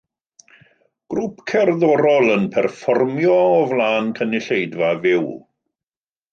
Grŵp cerddorol yn perfformio o flaen cynulleidfa fyw.